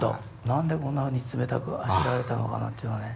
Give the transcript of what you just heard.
何でこんなふうに冷たくあしらわれたのかなっていうのはね